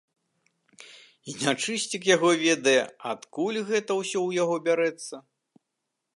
І нячысцік яго ведае, адкуль гэта ўсё ў яго бярэцца?